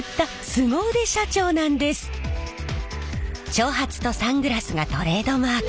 長髪とサングラスがトレードマーク。